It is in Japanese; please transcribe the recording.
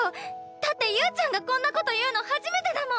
だって侑ちゃんがこんなこと言うの初めてだもん！